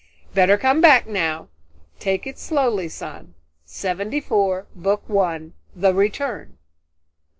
"Better come back now. Take it slowly, son. Seventy four, Book One: The Return."